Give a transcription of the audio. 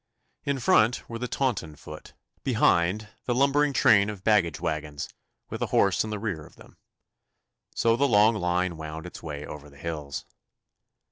In front were the Taunton foot; behind, the lumbering train of baggage waggons, with the horse in the rear of them. So the long line wound its way over the hills.